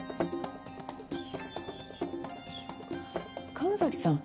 神崎さん